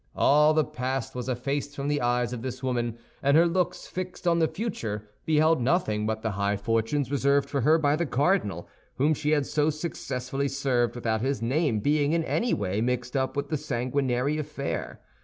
All the past was effaced from the eyes of this woman; and her looks, fixed on the future, beheld nothing but the high fortunes reserved for her by the cardinal, whom she had so successfully served without his name being in any way mixed up with the sanguinary affair.